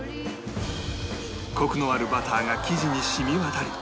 コクのあるバターが生地に染み渡り